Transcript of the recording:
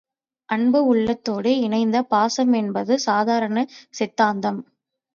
அன்பு உள்ளத்தோடு இயைந்த பாசம் என்பது சாதாரண சித்தாந்தம்.